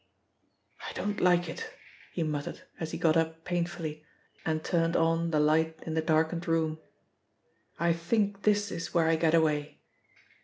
"I don't like it," he muttered as he got up painfully and turned on the light in the darkened room. "I think this is where I get away."